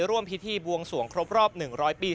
ร่วมพิธีบวงสวงครบรอบ๑๐๐ปี